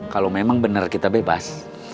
kalau memang benar kita bebas